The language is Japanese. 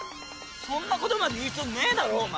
そんなことまで言う必要ねえだろお前！